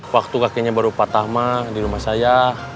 waktu kakinya baru patah mah di rumah saya